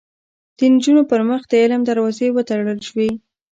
د نجونو پر مخ د علم دروازې وتړل شوې